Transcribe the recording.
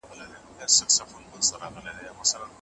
لور دعا ده، لور برکت ده، لور د خدای لویه ډالۍ